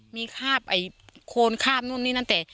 มีคาบไอ้โคนคาบนู่นนี่นั่นแต่